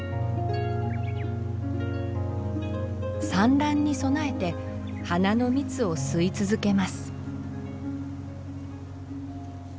産卵に備えて花の蜜を吸い続けます。